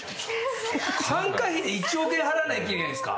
参加費で１億円払わないといけないんですか？